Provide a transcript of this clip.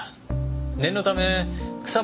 念のため草間